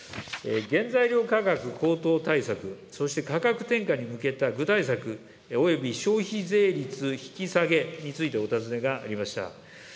原材料価格高騰対策、そして価格転嫁に向けた具体策、および消費税率引き下げについてお尋ねがありました。